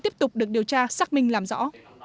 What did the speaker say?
tiếp tục được điều tra xác minh làm rõ